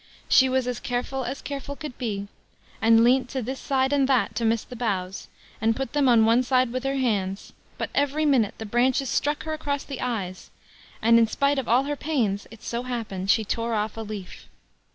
She was as careful as careful could be, and leant to this side and that to miss the boughs, and put them on one side with her hands, but every minute the branches struck her across the eyes, and in spite of all her pains, it so happened she tore off a leaf.